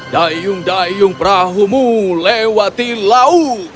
dayung dayung perahumu lewati laut